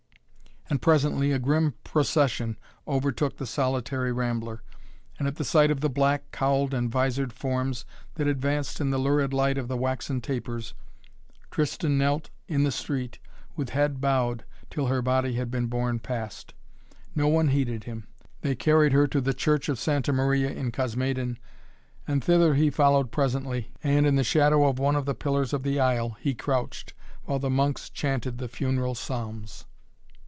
And presently a grim procession overtook the solitary rambler, and at the sight of the black, cowled and visored forms that advanced in the lurid light of the waxen tapers, Tristan knelt in the street with head bowed till her body had been borne past. No one heeded him. They carried her to the church of Santa Maria in Cosmedin, and thither he followed presently, and, in the shadow of one of the pillars of the aisle, he crouched, while the monks chanted the funeral psalms.